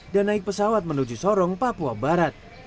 dan naik pesawat menuju sorong papua barat